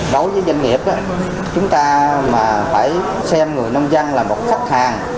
đối với doanh nghiệp chúng ta mà phải xem người nông dân là một khách hàng